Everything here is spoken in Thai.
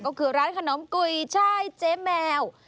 ก็คือร้านขนมกุยช่ายเจ๊แมว